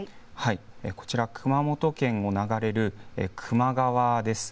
こちら、熊本県を流れる球磨川です。